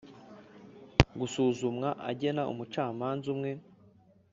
Gusuzumwa agena umucamanza umwe